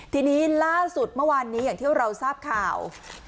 ทีนี้ล่าสุดเมื่อวานนี้อย่างที่เราทราบข่าว